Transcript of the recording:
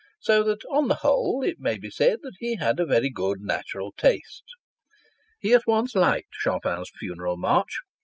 So that on the whole it may be said that he had a very good natural taste. He at once liked Chopin's Funeral March.